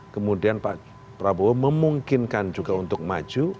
kemudian pak prabowo memungkinkan juga untuk maju